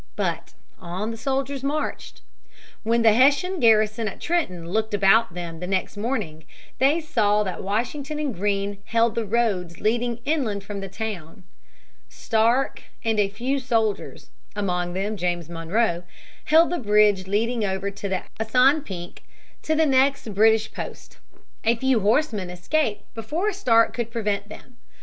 But on the soldiers marched. When the Hessian garrison at Trenton looked about them next morning they saw that Washington and Greene held the roads leading inland from the town. Stark and a few soldiers among them James Monroe held the bridge leading over the Assanpink to the next British post. A few horsemen escaped before Stark could prevent them.